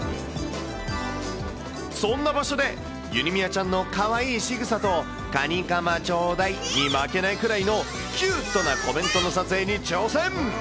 そんな場所で、ゆにみあちゃんのかわいいしぐさと、カニカマちょうだいに負けないくらいの、キュートなコメントの撮影に挑戦。